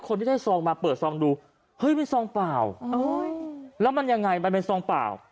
คนที่ได้ซองมาเปิดซองดูเฮ้ยเป็นซองเปล่าแล้วมันยังไงมันเป็นซองเปล่า